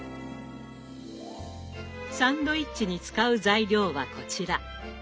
サンドイッチに使う材料はこちら。